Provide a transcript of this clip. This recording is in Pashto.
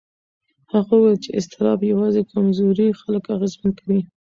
هغه وویل چې اضطراب یوازې کمزوري خلک اغېزمن کوي.